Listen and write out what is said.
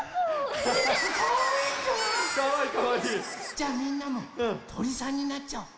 じゃみんなもとりさんになっちゃおう。